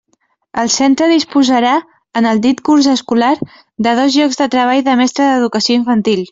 El centre disposarà, en el dit curs escolar, de dos llocs de treball de mestre d'Educació Infantil.